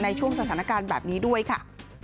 ในช่วงสถานการณ์แบบนี้ด้วยค่ะ